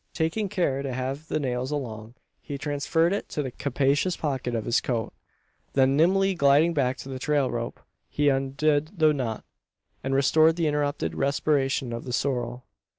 Taking care to have the nails along, he transferred it to the capacious pocket of his coat. Then nimbly gliding back to the trail rope, he undid the knot; and restored the interrupted respiration of the sorrel.